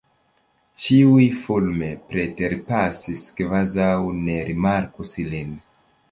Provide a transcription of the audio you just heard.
Ĉiuj fulme preterpasis, kvazaŭ ne rimarkus lin.